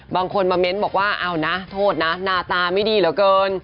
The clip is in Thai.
บางคนมาเม้นบอกว่าเอานะโทษนะหน้าตาไม่ดีเหลือเกิน